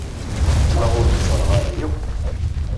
Qqleɣ ur k-ẓerreɣ ara akk.